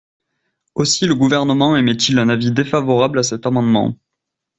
Aussi le Gouvernement émet-il un avis défavorable à cet amendement.